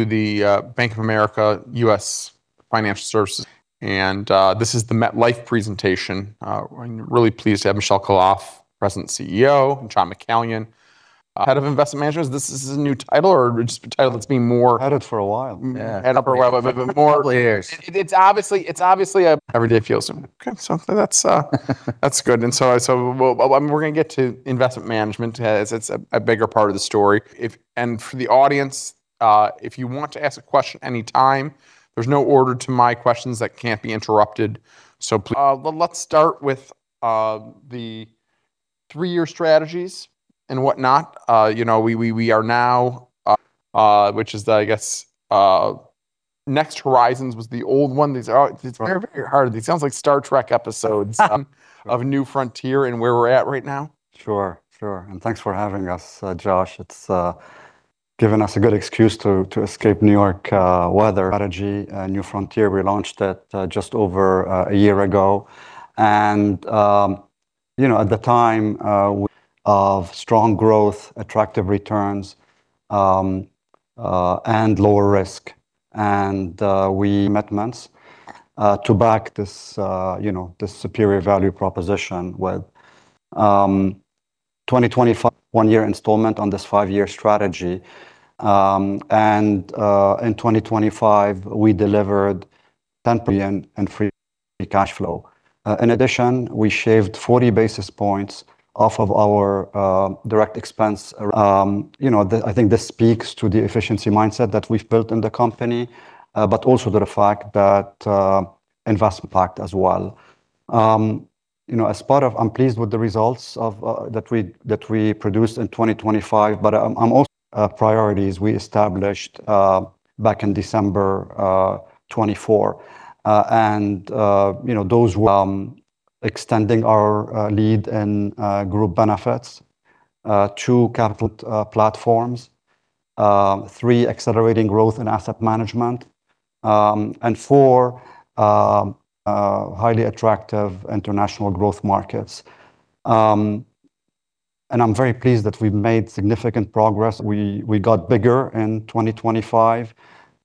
To the Bank of America U.S. Financial Services. This is the MetLife presentation, and really pleased to have Michel Khalaf, President and CEO, and John McCallion, Head of Investment Management. Is this a new title or just a title that's been more? Head of it for a while. Yeah, head of it for a while, but more. Couple of years. It's obviously. Every day feels new. Okay, so that's good. And so we'll, I mean, we're going to get to investment management as it's a bigger part of the story. And for the audience, if you want to ask a question anytime, there's no order to my questions that can't be interrupted. So please, let's start with the three-year strategies and whatnot. You know, we are now, which is the, I guess, Next Horizon was the old one. These are, it's very hard. It sounds like Star Trek episodes. Of New Frontier and where we're at right now? Sure, sure. Thanks for having us, Josh. It's given us a good excuse to escape New York weather. Strategy, New Frontier. We launched it just over a year ago. You know, at the time of strong growth, attractive returns, and lower risk. We commitments to back this, you know, this superior value proposition with 2025. One-year installment on this five-year strategy. In 2025, we delivered 10. And free cash flow. In addition, we shaved 40 basis points off of our direct expense. You know, I think this speaks to the efficiency mindset that we've built in the company, but also to the fact that investment impact as well. You know, as part of I'm pleased with the results of that we produced in 2025, but I'm also priorities we established back in December 2024. You know, those extending our lead in group benefits to capital. Platforms, three accelerating growth and asset management, and four, highly attractive international growth markets. I'm very pleased that we've made significant progress. We got bigger in 2025,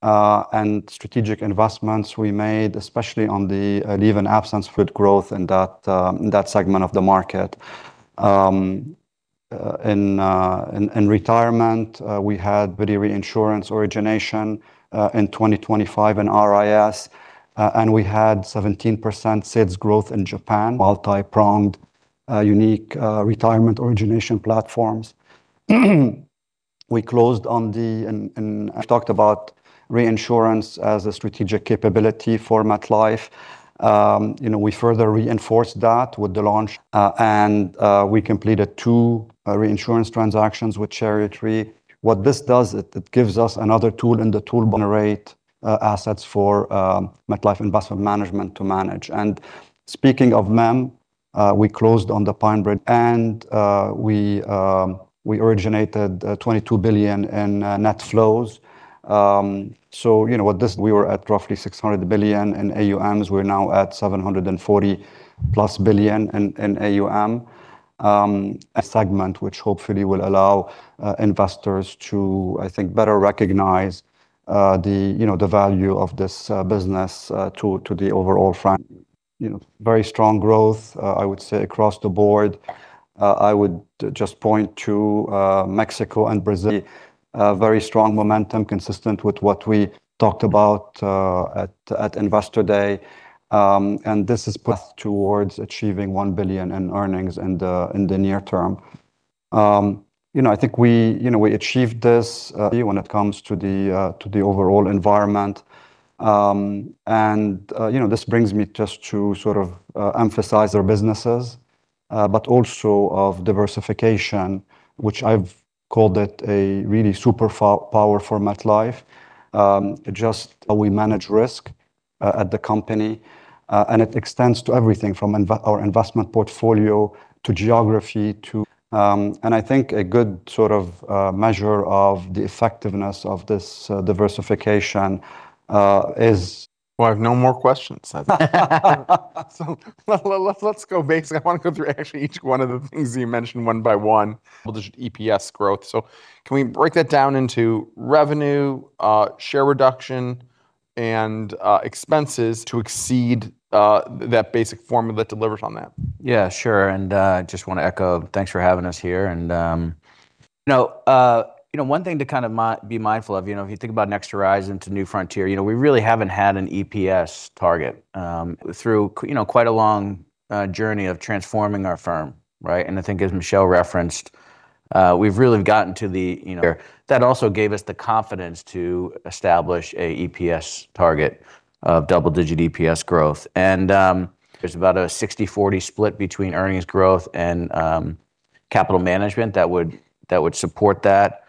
and strategic investments we made, especially on the leave and absence. Growth in that segment of the market. In retirement, we had Reinsurance origination in 2025 in RIS, and we had 17% Third Sector growth in Japan. Multi-pronged, unique, retirement origination platforms. We closed on the in. Talked about reinsurance as a strategic capability for MetLife. You know, we further reinforced that with the launch. And, we completed two reinsurance transactions with Challenger. What this does, it gives us another tool in the tool. Generate assets for MetLife Investment Management to manage. And speaking of MIM, we closed on the PineBridge. And, we originated $22 billion in net flows. So, you know, what this. We were at roughly $600 billion in AUMs. We're now at $740+ billion in AUM and Segment, which hopefully will allow investors to, I think, better recognize the, you know, the value of this business to the overall. You know, very strong growth, I would say across the board. I would just point to Mexico and Brazil. A very strong momentum consistent with what we talked about at Investor Day, and this is towards achieving $1 billion in earnings in the near term. You know, I think we, you know, we achieved this. When it comes to the overall environment, and you know, this brings me just to sort of emphasize businesses, but also of diversification, which I've called it a really superpower for MetLife. Just. We manage risk at the company, and it extends to everything from our investment portfolio to geography to. and I think a good sort of measure of the effectiveness of this diversification is. Well, I have no more questions. So let's go basic. I want to go through actually each one of the things that you mentioned one by one. EPS growth. So can we break that down into revenue, share reduction, and expenses. To exceed that basic formula that delivers on that? Yeah, sure. And I just want to echo, thanks for having us here. And you know, you know, one thing to kind of be mindful of, you know, if you think about Next Horizon to New Frontier, you know, we really haven't had an EPS target. Through you know, quite a long journey of transforming our firm, right? And I think, as Michel referenced, we've really gotten to the, you know. That also gave us the confidence to establish an EPS target of double-digit EPS growth. And there's about a 60-40 split between earnings growth and capital management that would support that.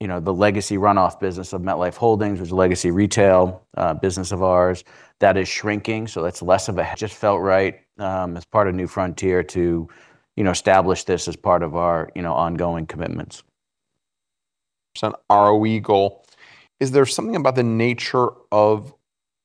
You know, the legacy runoff business of MetLife Holdings, which is a legacy retail business of ours, that is shrinking. So that's less of a. Just felt right, as part of New Frontier to, you know, establish this as part of our, you know, ongoing commitments. % ROE goal. Is there something about the nature of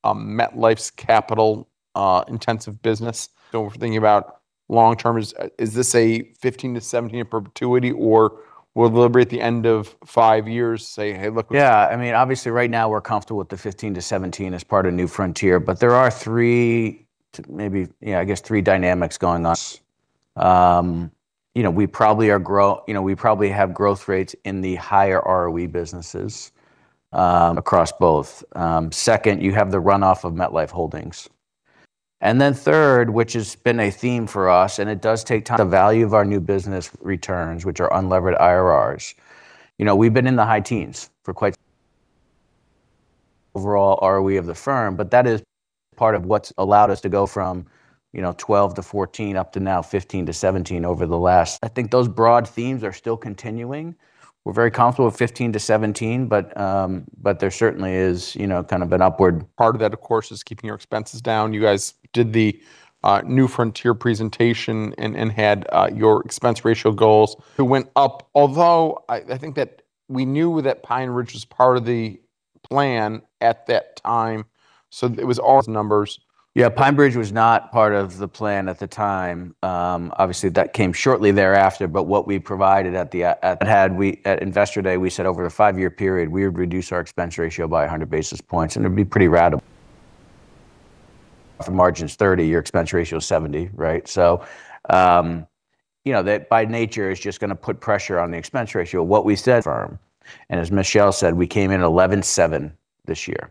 MetLife's capital-intensive business? Thinking about long-term, is this a 15%-17% year perpetuity, or will Liberty at the end of five years say, "Hey, look what's happening? Yeah, I mean, obviously right now we're comfortable with the 15%-17% as part of New Frontier, but there are three, maybe, yeah, I guess three dynamics going on. You know, we probably are grow, you know, we probably have growth rates in the higher ROE businesses, across both. Second, you have the runoff of MetLife Holdings. And then third, which has been a theme for us, and it does take time. The value of our new business returns, which are unlevered IRRs. You know, we've been in the high teens for quite some time. Overall ROE of the firm, but that is part of what's allowed us to go from, you know, 12%-14% up to now 15%-17% over the last. I think those broad themes are still continuing. We're very comfortable with 15%-17%, but, but there certainly is, you know, kind of an upward. Part of that, of course, is keeping your expenses down. You guys did the New Frontier presentation and had your expense ratio goals that went up, although I think that we knew that PineBridge was part of the plan at that time. So it was numbers. Yeah, PineBridge was not part of the plan at the time. Obviously that came shortly thereafter, but what we provided at the, at Investor Day, we said over the five-year period, we would reduce our expense ratio by 100 basis points, and it'd be pretty radical. If the margin's 30, your expense ratio is 70, right? So, you know, that by nature is just going to put pressure on the expense ratio. What we said. Firm. And as Michel said, we came in 11.7 this year,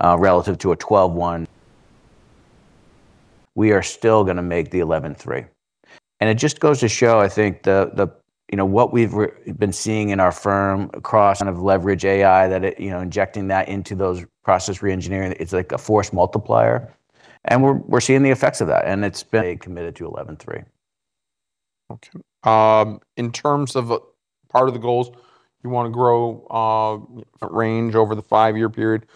relative to a 12.1. We are still going to make the 11.3. And it just goes to show, I think, the, the, you know, what we've been seeing in our firm across. Of leverage AI that it, you know, injecting that into those process reengineering, it's like a force multiplier. And we're, we're seeing the effects of that. And it's. Committed to 11-3. Okay. In terms of part of the goals, you want to grow, range over the five-year period.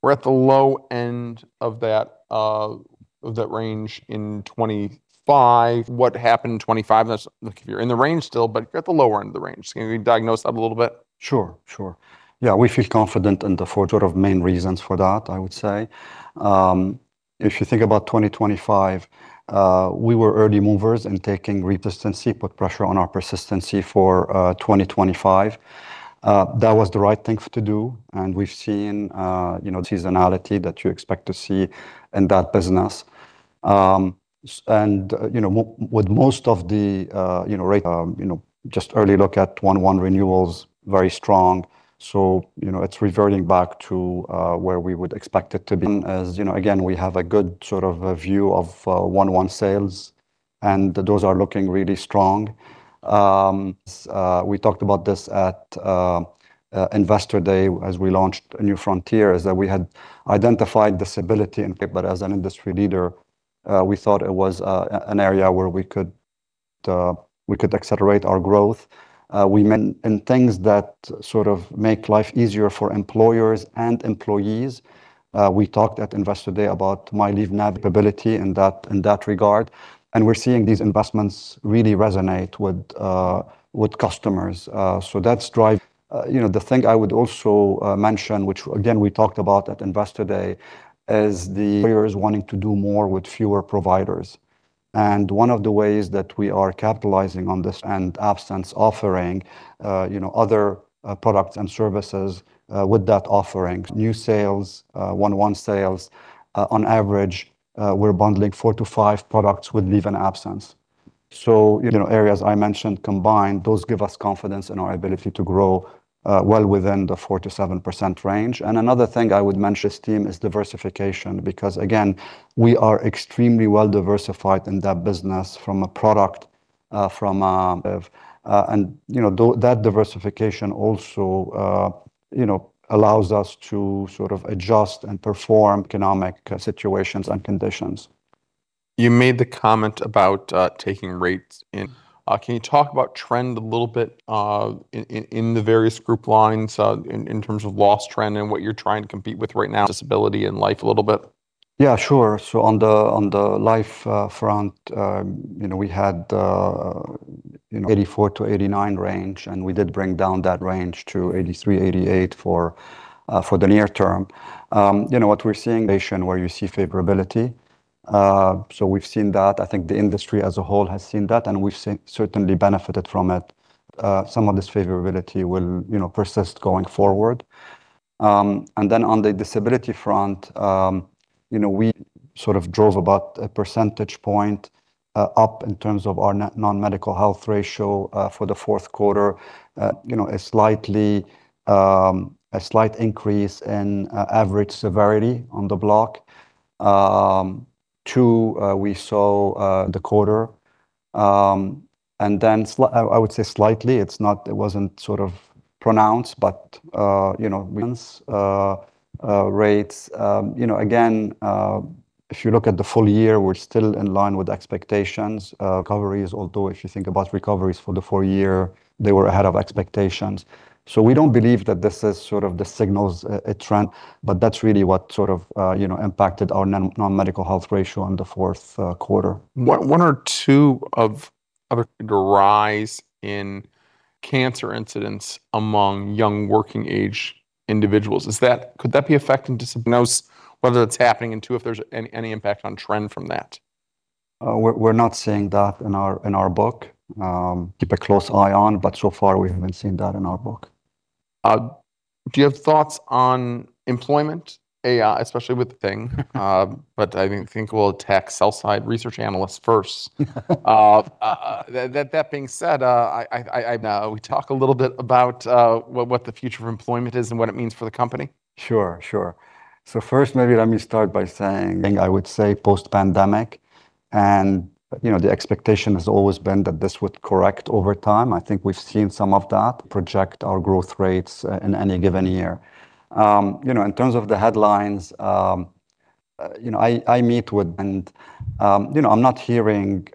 We're at the low end of that, of that range in 2025. What happened in 2025? And that's, look, if you're in the range still, but you're at the lower end of the range. Can you diagnose that a little bit? Sure, sure. Yeah, we feel confident in the sort of main reasons for that, I would say. If you think about 2025, we were early movers in taking persistency [that] put pressure on our persistency for 2025. That was the right thing to do. And we've seen, you know, seasonality that you expect to see in that business. And, you know, with most of the, you know, you know, just early look at 1-1 renewals, very strong. So, you know, it's reverting back to where we would expect it to be. As, you know, again, we have a good sort of view of 1-1 sales, and those are looking really strong. We talked about this at Investor Day as we launched New Frontier, is that we had identified disability in. But as an industry leader, we thought it was an area where we could, we could accelerate our growth. We. In things that sort of make life easier for employers and employees. We talked at Investor Day about MyLeave capability in that regard. And we're seeing these investments really resonate with customers. So that's driving. You know, the thing I would also mention, which again we talked about at Investor Day, is wanting to do more with fewer providers. And one of the ways that we are capitalizing on this and absence offering, you know, other products and services with that offering. New sales, one-on-one sales, on average, we're bundling four to five products with leave and absence. So, you know, areas I mentioned combined, those give us confidence in our ability to grow well within the 4%-7% range. And another thing I would mention. This theme is diversification because, again, we are extremely well diversified in that business from a product. You know, that diversification also, you know, allows us to sort of adjust and perform, economic situations and conditions. You made the comment about taking rates. Can you talk about trend a little bit in the various group lines, in terms of loss trend and what you're trying to compete with right now? Disability in life a little bit? Yeah, sure. So on the life front, you know, we had, you know, 84%-89% range, and we did bring down that range to 83%-88% for the near term, you know, what we're seeing, where you see favorability. So we've seen that. I think the industry as a whole has seen that, and we've certainly benefited from it. Some of this favorability will, you know, persist going forward. And then on the disability front, you know, we sort of drove about a percentage point up in terms of our non-medical health ratio for the fourth quarter, you know, a slight increase in average severity on the block too we saw the quarter. And then I would say slightly. It's not, it wasn't sort of pronounced, but, you know, rates. You know, again, if you look at the full year, we're still in line with expectations. Recoveries, although if you think about recoveries for the full year, they were ahead of expectations. So we don't believe that this sort of signals a trend, but that's really what sort of, you know, impacted our non-medical health ratio in the fourth quarter. One or two others. A rise in cancer incidence among young working-age individuals. Is that—could that be affecting? No one knows whether that's happening and two, if there's any, any impact on trends from that? We're not seeing that in our book. Keep a close eye on, but so far we haven't seen that in our book. Do you have thoughts on employment? AI, especially with thing. But I think we'll attack sell-side research analysts first. That being said. We talk a little bit about what the future of employment is and what it means for the company? Sure, sure. So first, maybe let me start by saying. I would say post-pandemic. You know, the expectation has always been that this would correct over time. I think we've seen some of that. Project our growth rates in any given year. You know, in terms of the headlines, you know, I meet with. You know, I'm not hearing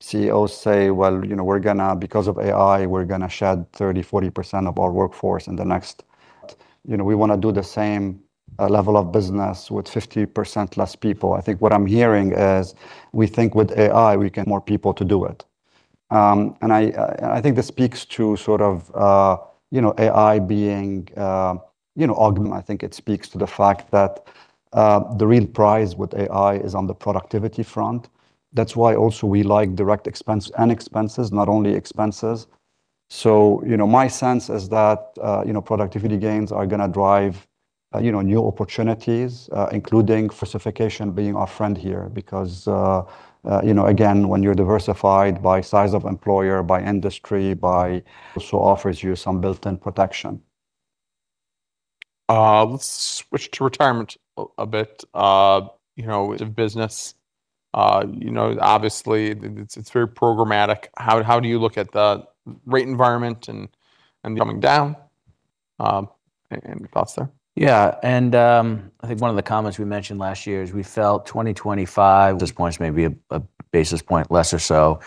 CEOs say, well, you know, we're going to, because of AI, we're going to shed 30%-40% of our workforce in the next. You know, we want to do the same level of business with 50% less people. I think what I'm hearing is we think with AI, we can. More people to do it. And I think this speaks to sort of, you know, AI being, you know. I think it speaks to the fact that the real prize with AI is on the productivity front. That's why also we like direct expense and expenses, not only expenses. So, you know, my sense is that, you know, productivity gains are going to drive, you know, new opportunities, including diversification being our friend here because, you know, again, when you're diversified by size of employer, by industry, by also offers you some built-in protection. Let's switch to retirement a bit. You know. Of business. You know, obviously it's, it's very programmatic. How do you look at the rate environment and coming down? Any thoughts there? Yeah, and I think one of the comments we mentioned last year is we felt 2025 points, maybe a basis point less or so,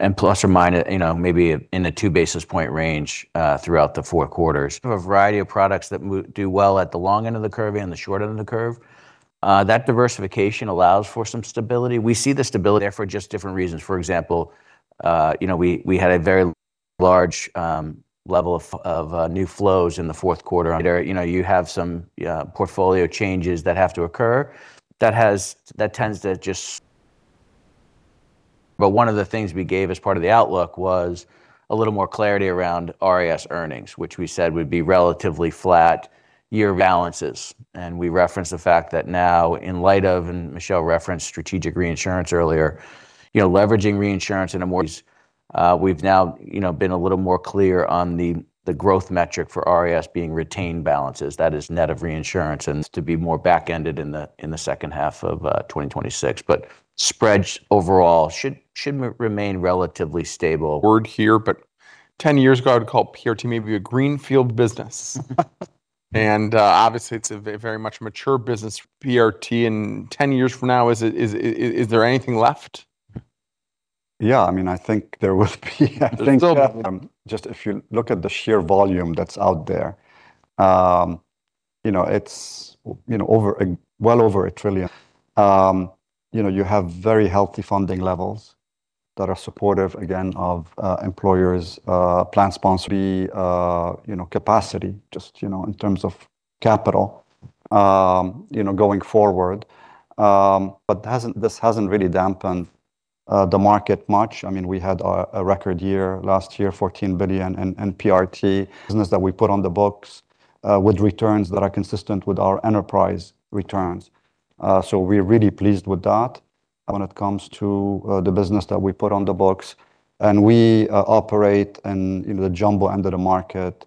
and plus or minus, you know, maybe in a 2 basis point range, throughout the four quarters. A variety of products that do well at the long end of the curve and the short end of the curve. That diversification allows for some stability. We see the stability there for just different reasons. For example, you know, we had a very large level of new flows in the fourth quarter. You know, you have some portfolio changes that have to occur. That tends to just. But one of the things we gave as part of the outlook was a little more clarity around RIS earnings, which we said would be relatively flat year. Balances. We referenced the fact that now, in light of, and Michel referenced strategic reinsurance earlier, you know, leveraging reinsurance in a more. We've now, you know, been a little more clear on the, the growth metric for RIS being retained balances. That is net of reinsurance. To be more back-ended in the, in the second half of 2026. But spreads overall should, should remain relatively stable. Word here, but 10 years ago I would call PRT maybe a greenfield business. Obviously it's a very much mature business. PRT in 10 years from now, is there anything left? Yeah, I mean, I think there will be, I think. Just if you look at the sheer volume that's out there, you know, it's, you know, over a, well over a trillion. You know, you have very healthy funding levels that are supportive, again, of employers, plan sponsored. Be, you know, capacity, just, you know, in terms of capital, you know, going forward. But hasn't, this hasn't really dampened the market much. I mean, we had a record year last year, $14 billion in PRT. That we put on the books, with returns that are consistent with our enterprise returns. So we're really pleased with that when it comes to the business that we put on the books. And we operate in, you know, the jumbo end of the market,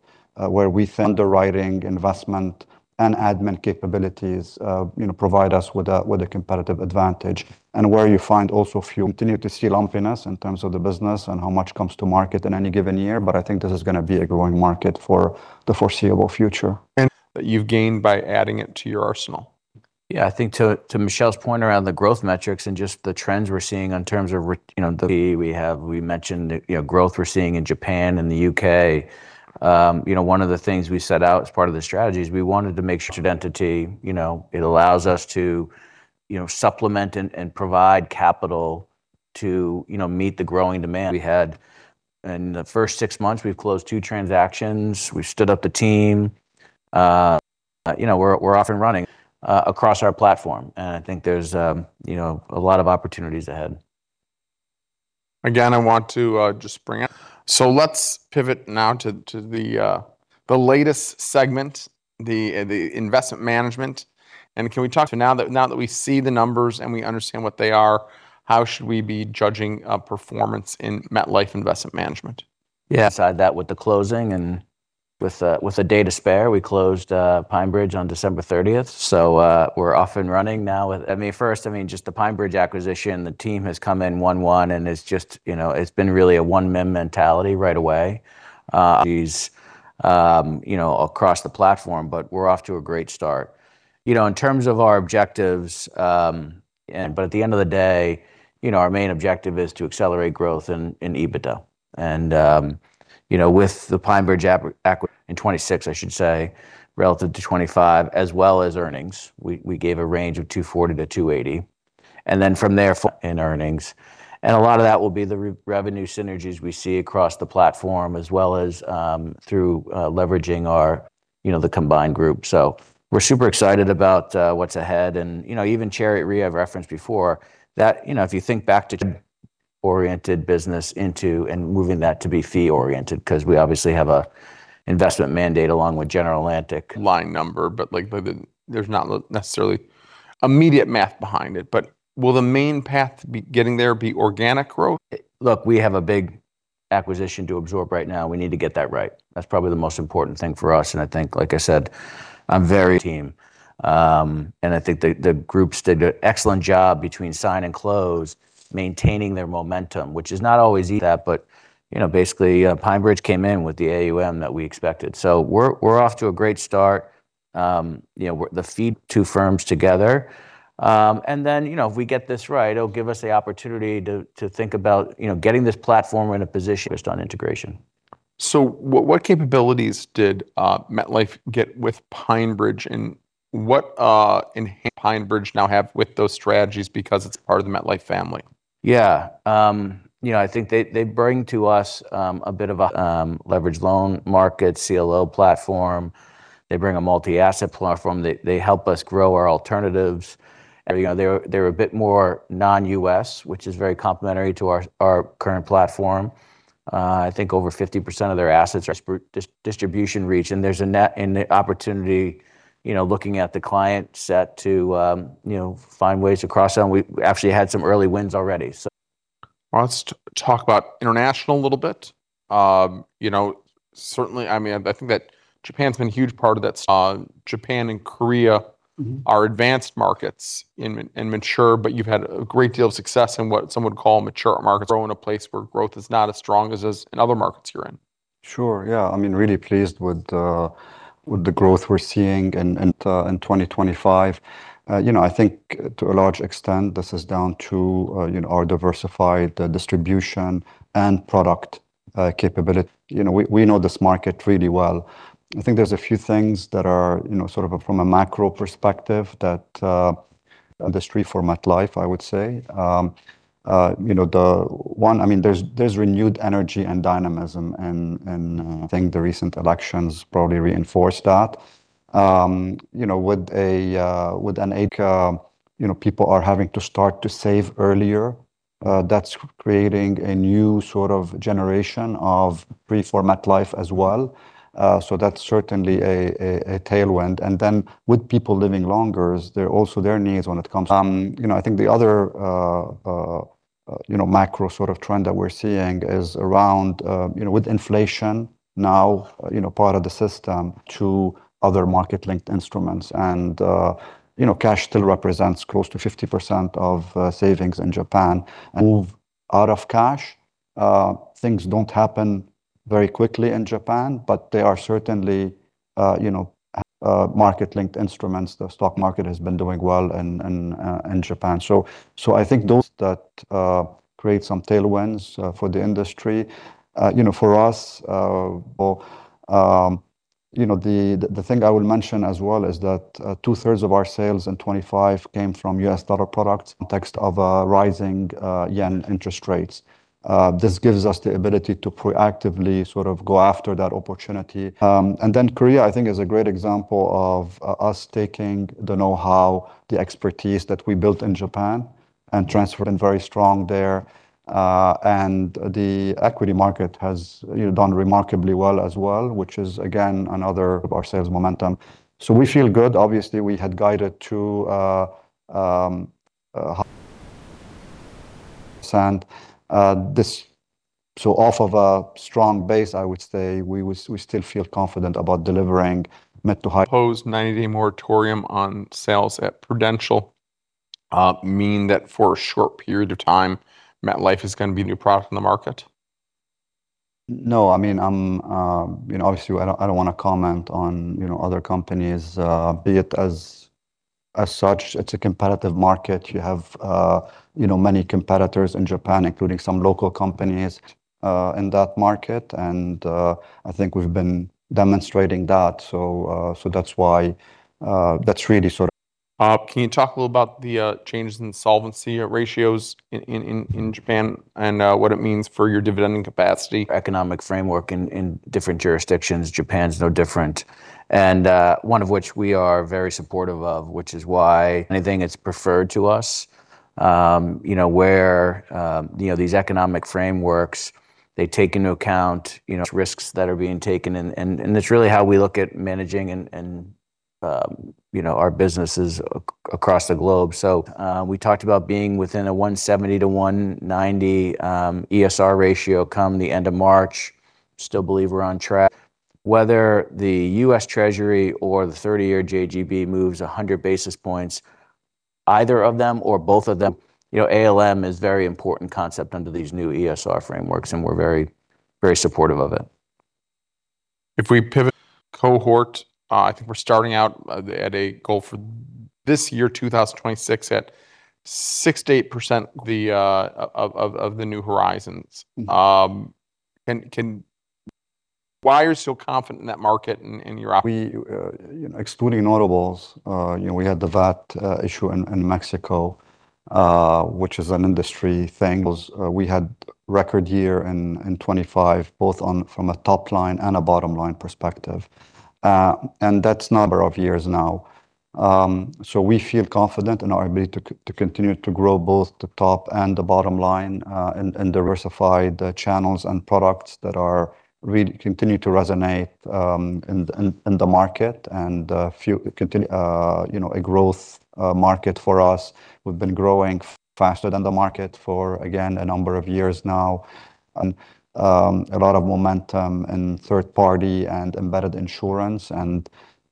where we think underwriting, investment, and admin capabilities, you know, provide us with a, with a competitive advantage. And we also continue to see lumpiness in terms of the business and how much comes to market in any given year, but I think this is going to be a growing market for the foreseeable future. That you've gained by adding it to your arsenal? Yeah, I think to, to Michel's point around the growth metrics and just the trends we're seeing in terms of, you know, the. We have, we mentioned, you know, growth we're seeing in Japan and the U.K. You know, one of the things we set out as part of the strategy is we wanted to make sure identity, you know, it allows us to, you know, supplement and provide capital to, you know, meet the growing demand. We had, in the first six months, we've closed two transactions. We've stood up the team. You know, we're, we're off and running across our platform. And I think there's, you know, a lot of opportunities ahead. Again, I want to just bring. So let's pivot now to the latest segment, the investment management. And can we talk now that we see the numbers and we understand what they are, how should we be judging performance in MetLife Investment Management? Yeah. Delighted that with the closing and with a day to spare, we closed PineBridge on December 30th. So, we're off and running now with, I mean, first, I mean, just the PineBridge acquisition, the team has come in 1-1 and it's just, you know, it's been really a one-team mentality right away. These, you know, across the platform, but we're off to a great start. You know, in terms of our objectives. But at the end of the day, you know, our main objective is to accelerate growth in, in EBITDA. And, you know, with the PineBridge acquisition in 2026, I should say, relative to 2025, as well as earnings, we, we gave a range of 240-280. And then from there. In earnings. A lot of that will be the revenue synergies we see across the platform as well as through leveraging our, you know, the combined group. So we're super excited about what's ahead and, you know, even Challenger at RIS I've referenced before that, you know, if you think back to oriented business into and moving that to be fee-oriented because we obviously have an investment mandate along with General Atlantic. Line number, but like, but there's not necessarily immediate math behind it. But will the main path to be getting there be organic growth? Look, we have a big acquisition to absorb right now. We need to get that right. That's probably the most important thing for us. And I think, like I said, I'm very team. And I think the groups did an excellent job between sign and close, maintaining their momentum, which is not always that, but you know, basically, PineBridge came in with the AUM that we expected. So we're off to a great start. You know, feeding the two firms together. And then, you know, if we get this right, it'll give us the opportunity to think about, you know, getting this platform in a position based on integration. So what capabilities did MetLife get with PineBridge and what enhanced PineBridge now have with those strategies because it's part of the MetLife family? Yeah, you know, I think they bring to us a bit of leveraged loan market, CLO platform. They bring a multi-asset platform. They help us grow our alternatives. And, you know, they're a bit more non-U.S., which is very complementary to our current platform. I think over 50% of their assets are distribution reach. And there's a net and the opportunity, you know, looking at the client set to find ways to cross out. We actually had some early wins already. Well, let's talk about international a little bit. You know, certainly, I mean, I think that Japan's been a huge part of that. Japan and Korea are advanced markets in, in mature, but you've had a great deal of success in what some would call mature markets. Grow in a place where growth is not as strong as, as in other markets you're in? Sure. Yeah. I mean, really pleased with the growth we're seeing in 2025. You know, I think to a large extent, this is down to our diversified distribution and product capability. You know, we know this market really well. I think there's a few things that are, you know, sort of from a macro perspective that industry for MetLife, I would say. You know, the one, I mean, there's renewed energy and dynamism and I think the recent elections probably reinforced that. You know, with a, with an. You know, people are having to start to save earlier. That's creating a new sort of generation of pre-for MetLife as well. So that's certainly a tailwind. And then with people living longer, they're also their needs when it comes. You know, I think the other, you know, macro sort of trend that we're seeing is around, you know, with inflation now, you know, part of the system. To other market-linked instruments. And, you know, cash still represents close to 50% of savings in Japan. And move out of cash, things don't happen very quickly in Japan, but they are certainly, you know, market-linked instruments, the stock market has been doing well in, Japan. So, so I think those that create some tailwinds for the industry. You know, for us, you know, the, the thing I will mention as well is that 2/3 of our sales in 2025 came from U.S. dollar products. Context of a rising yen interest rates. This gives us the ability to proactively sort of go after that opportunity. And then Korea, I think, is a great example of us taking the know-how, the expertise that we built in Japan and transferred. Been very strong there. The equity market has, you know, done remarkably well as well, which is, again, another. Our sales momentum. We feel good. Obviously, we had guided to this, so off of a strong base, I would say, we was, we still feel confident about delivering mid to high. Imposed 90-day moratorium on sales at Prudential, mean that for a short period of time, MetLife is going to be a new product in the market? No, I mean, I'm, you know, obviously I don't want to comment on, you know, other companies, be it as such, it's a competitive market. You have, you know, many competitors in Japan, including some local companies in that market. I think we've been demonstrating that. So that's why, that's really sort of. Can you talk a little about the change in solvency ratios in Japan and what it means for your dividend capacity? Economic framework in different jurisdictions. Japan's no different. And one of which we are very supportive of, which is why anything that's preferred to us, you know, where, you know, these economic frameworks, they take into account, you know, risks that are being taken. And that's really how we look at managing and, you know, our businesses across the globe. So, we talked about being within a 170-190 ESR ratio come the end of March. Still believe we're on track. Whether the U.S. Treasury or the 30-year JGB moves 100 basis points, either of them or both of them, you know, ALM is a very important concept under these new ESR frameworks, and we're very, very supportive of it. If we pivot cohort, I think we're starting out at a goal for this year, 2026, at 68%. Why are you so confident in that market and in your opportunity? We, you know, excluding notables, you know, we had the VAT issue in Mexico, which is an industry thing. We had record year in 2025, both from a top line and a bottom line perspective. That's not. Of years now. We feel confident in our ability to continue to grow both the top and the bottom line, in diversified channels and products that really continue to resonate in the market and, you know, a growth market for us. We've been growing faster than the market for, again, a number of years now. A lot of momentum in third-party and embedded insurance.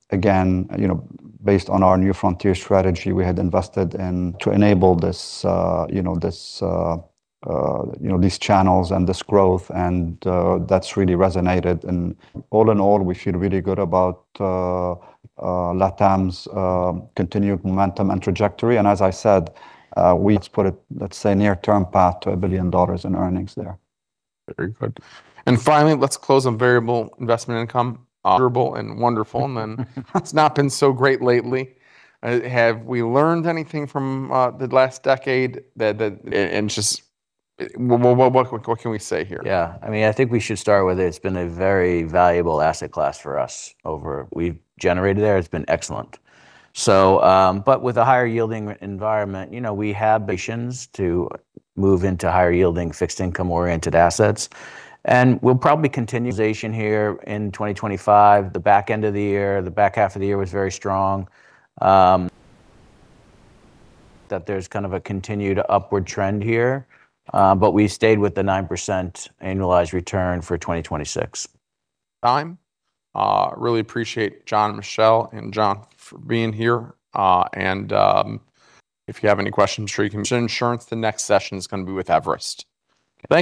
Again, you know, based on our New Frontier strategy, we had invested in to enable this, you know, these channels and this growth. That's really resonated. All in all, we feel really good about LATAM's continued momentum and trajectory. As I said, let's put it, let's say, near-term path to a $1 billion in earnings there. Very good. And finally, let's close on variable investment income. Durable and wonderful, and then it's not been so great lately. Have we learned anything from the last decade that. And just what can we say here? Yeah, I mean, I think we should start with it's been a very valuable asset class for us over. We've generated there, it's been excellent. So, but with a higher yielding environment, you know, we have to move into higher yielding fixed income oriented assets. And we'll probably continue here in 2025. The back end of the year, the back half of the year was very strong that there's kind of a continued upward trend here. But we stayed with the 9% annualized return for 2026. Time. Really appreciate John, Michel, and John for being here. If you have any questions, sure you can. Insurance, the next session is going to be with Everest. Thank you.